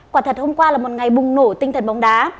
quả thật hôm qua là một ngày bùng nổ tinh thần bóng đá